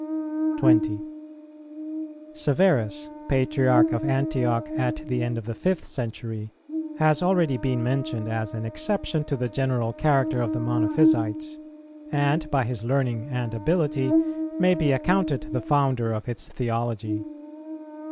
[317:3] 20. Severus, Patriarch of Antioch at the end of the fifth century, has already been mentioned as an exception to the general character of the Monophysites, and, by his learning and ability, may be accounted the founder of its theology.